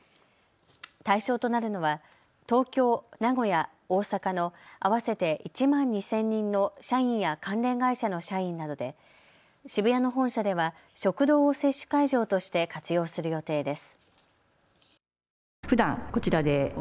対象となるのは東京、名古屋、大阪の合わせて１万２０００人の社員や関連会社の社員などで渋谷の本社では食堂を接種会場として活用する予定です。